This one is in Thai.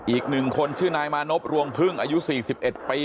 อีกหนึ่งคนชื่อนายมานพรวงพึ่งอายุสี่สิบเอ็ดปี